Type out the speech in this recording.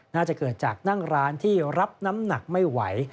น่าจะเกิดจากนั่งร้านที่รับน้ำหนักไม่ไหว